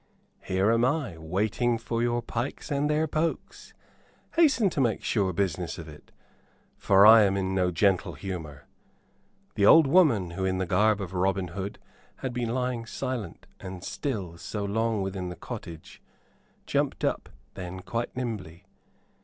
"Here am I, waiting for your pikes and their pokes. Hasten to make sure business of it, for I am in no gentle humor." The old woman, who, in the garb of Robin Hood, had been lying silent and still so long within the cottage, jumped up then quite nimbly.